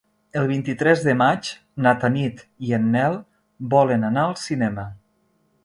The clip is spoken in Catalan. El vint-i-tres de maig na Tanit i en Nel volen anar al cinema.